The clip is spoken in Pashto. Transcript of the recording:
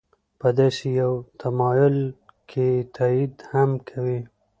په داسې یو تمایل که تایید هم کوي.